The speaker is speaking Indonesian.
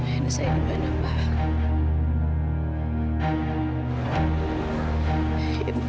ini saya dimana pak